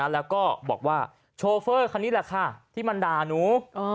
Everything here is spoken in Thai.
แล้วก็บอกว่าโชเฟอร์คันนี้แหละค่ะที่มันด่าหนู